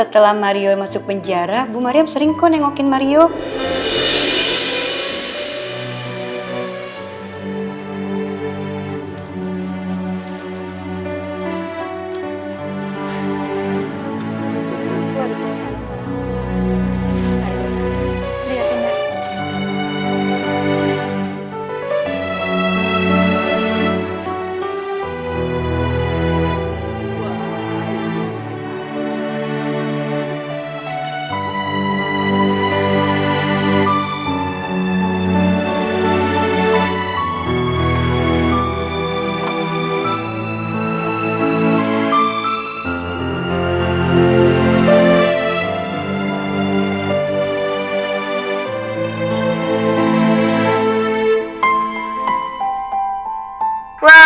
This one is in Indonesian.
terima kasih banyak